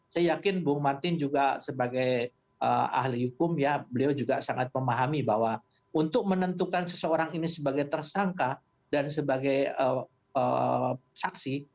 saya yakin bung martin juga sebagai ahli hukum ya beliau juga sangat memahami bahwa untuk menentukan seseorang ini sebagai tersangka dan sebagai saksi